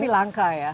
tapi langka ya